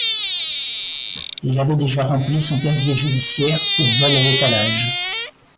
Il avait déjà rempli son casier judiciaire pour vol à l'étalage.